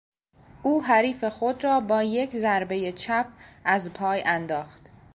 او حریف خود را با یک ضربهی چپ از پای انداخت.